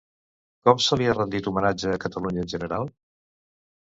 Com se li ha rendit homenatge a Catalunya en general?